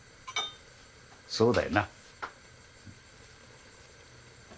そうだよな。